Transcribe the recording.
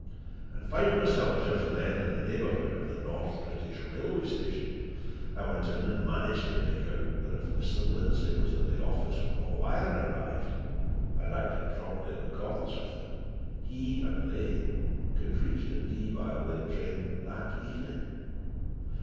And finding myself just then in the neighbourhood of the North British Railway Station, I went in and managed to make out that if Mr. Lindsey was at the office when my wire arrived, and acted promptly in accordance with it, he and they could reach Dundee by a late train that evening.